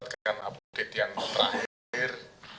mengenai di dalam ya kami belum dapatkan update yang terakhir